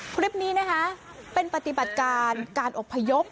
คลิปนี้นะคะเป็นปฏิบัติการการอบพยพ